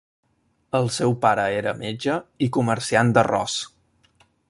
El seu pare era metge i comerciant d'arròs.